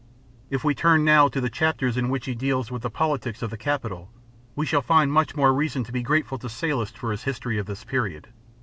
If we turn now to the chapters in which he deals with the politics of the capital, we shall find much more reason to be grateful to Sallust for his history of this period.